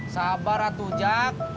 sabar atu jak